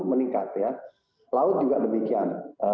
meningkat ya laut juga demikian